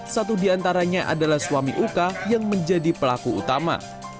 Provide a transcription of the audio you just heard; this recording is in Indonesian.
satu diantaranya adalah suami uka yang menjadi pelaku utama